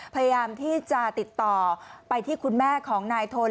พยายามที่จะติดต่อไปที่คุณแม่ของนายทน